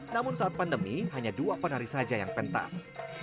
namun saat pandemi hanya dua penari saja yang pentas